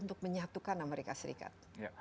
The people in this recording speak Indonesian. untuk menyatukan amerika serikat